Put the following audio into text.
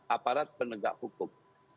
aparat penegak hukum